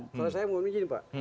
kalau saya mau begini pak